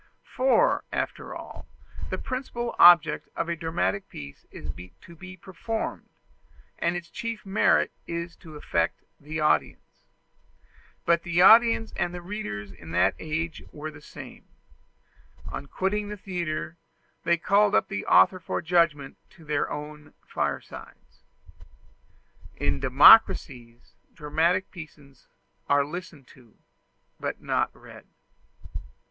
For, after all, the principal object of a dramatic piece is to be performed, and its chief merit is to affect the audience. But the audience and the readers in that age were the same: on quitting the theatre they called up the author for judgment to their own firesides. In democracies, dramatic pieces are listened to, but not read.